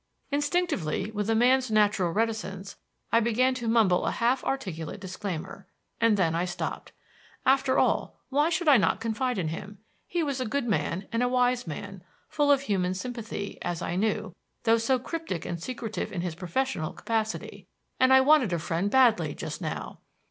Instinctively, with a man's natural reticence, I began to mumble a half articulate disclaimer; and then I stopped. After all, why should I not confide in him? He was a good man and a wise man, full of human sympathy, as I knew, though so cryptic and secretive in his professional capacity. And I wanted a friend badly just now.